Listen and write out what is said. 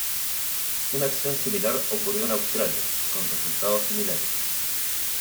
Una acción similar ocurrió en Australia, con resultados similares.